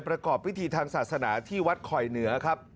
ประกอบพิธีทางศาสนาที่วัดคอยเหนือครับ